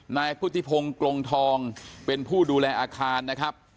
นายพุทธิพงศ์กลงทองเป็นผู้ดูแลอาคารนะครับ